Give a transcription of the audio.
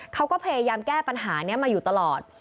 เขาก็พยายามแก้ปัญหานี้มาอยู่ตลอด